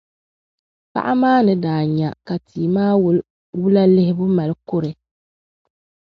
paɣ’ maa ni daa nya ka tia maa wala lihibu mali kɔre.